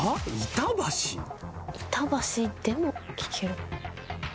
「板橋でも聞ける」。